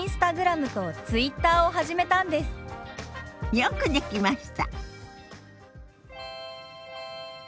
よくできました。